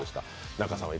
仲さんは？